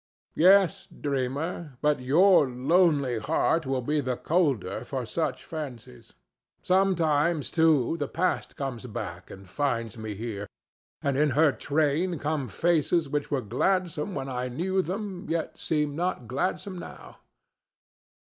—Yes, dreamer, but your lonely heart will be the colder for such fancies.—Sometimes, too, the Past comes back, and finds me here, and in her train come faces which were gladsome when I knew them, yet seem not gladsome now.